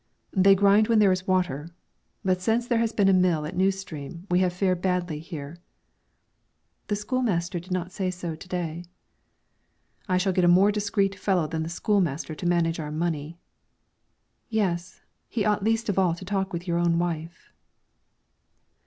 "They grind when there is water; but since there has been a mill at New Stream, we have fared badly here." "The school master did not say so to day." "I shall get a more discreet fellow than the school master to manage our money." "Yes, he ought least of all to talk with your own wife."